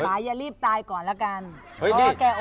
ควายอย่ารีบตายก่อนแล้วกัน